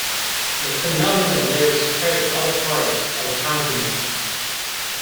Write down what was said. The phenomenon later spread to other parts of the contintent.